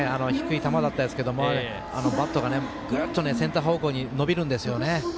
低い球でしたがバットがグッとセンター方向に伸びるんですよね。